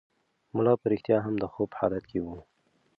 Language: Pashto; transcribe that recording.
ملا په رښتیا هم د خوب په حالت کې و.